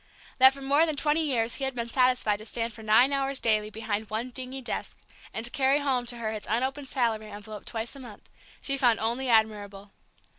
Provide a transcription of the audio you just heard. That for more than twenty years he had been satisfied to stand for nine hours daily behind one dingy desk, and to carry home to her his unopened salary envelope twice a month, she found only admirable.